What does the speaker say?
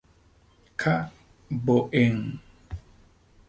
K. Boehm.